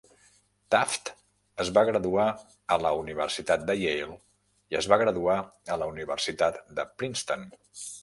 Taft es va graduar a la Universitat de Yale i es va graduar a la Universitat de Princeton.